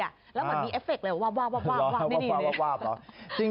แล้วมันมีเอฟเฟกต์เลยวาบไม่ดีเลย